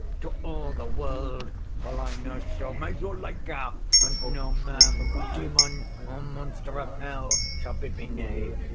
To all the world will I now show my Zuleika, and no man, demon or monster of Hell, shall bid me nay!